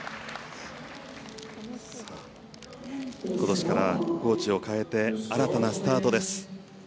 今年からコーチを変えて新たなスタートです。